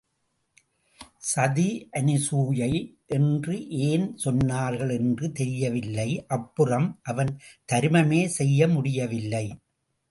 சதி அனுசூயை என்று ஏன் சொன்னார்கள் என்று தெரியவில்லை. அப்புறம் அவன் தருமமே செய்ய முடியவில்லை.